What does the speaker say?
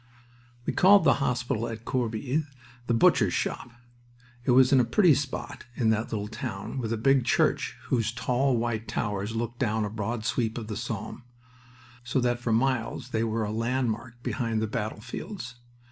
We called the hospital at Corbie the "Butcher's Shop." It was in a pretty spot in that little town with a big church whose tall white towers looked down a broad sweep of the Somme, so that for miles they were a landmark behind the battlefields.